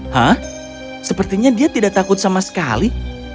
hah sepertinya dia tidak takut sama sekali